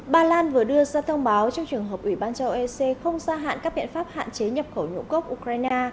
ba lan vừa đưa ra thông báo trong trường hợp ủy ban châu ec không gia hạn các biện pháp hạn chế nhập khẩu ngũ cốc ukraine